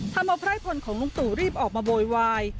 ธรรมพร้ายพลของลุงตุรีบออกมาโบยวาย